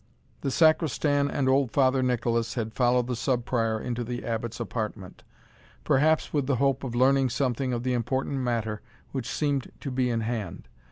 The Sacristan and old Father Nicholas had followed the Sub Prior into the Abbot's apartment, perhaps with the hope of learning something of the important matter which seemed to be in hand.